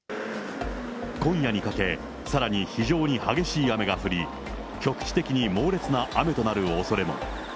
今夜にかけ、さらに非常に激しい雨が降り、局地的に猛烈な雨となるおそれも。